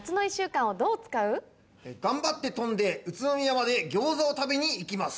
頑張って飛んで宇都宮までギョーザを食べに行きます。